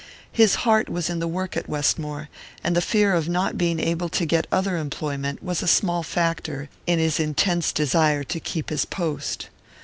His heart was in the work at Westmore, and the fear of not being able to get other employment was a small factor in his intense desire to keep his post.